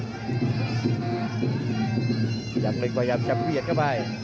หลักเล็กพยายามจะเบียดเข้าไป